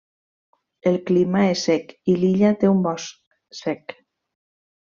El clima és sec i l'illa té un bosc sec.